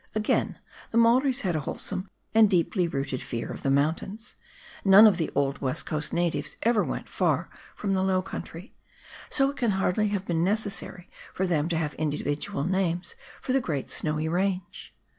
Again, the Maoris had a wholesome and deeply rooted fear of the mountains, none of the old West Coast natives ever went far from the low country, so it can hardly have been necessary for them to have individual names for the great snowy range.